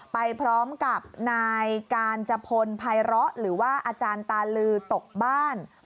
ไปพร้อมกับนายกาญจพลภัยร้อหรือว่าอาจารย์ตาลือตกบ้าน